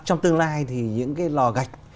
trong tương lai thì những cái lò gạch